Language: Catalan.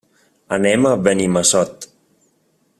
Anem a Benimassot.